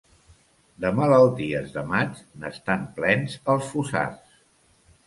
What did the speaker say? De malalties de maig n'estan plens els fossars.